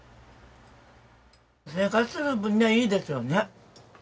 生活する分にはいいですよね。